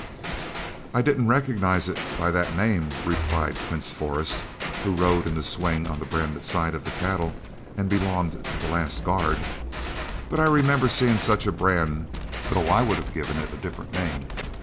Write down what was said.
"I didn't recognize it by that name," replied Quince Forrest, who rode in the swing on the branded side of the cattle and belonged to the last guard, "but I remember seeing such a brand, though I would have given it a different name.